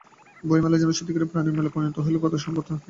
বইমেলা যেন সত্যিকারের প্রাণের মেলায় পরিণত হলো গতকালই, সপ্তম দিনে এসে।